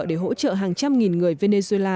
để hỗ trợ hàng trăm nghìn người venezuela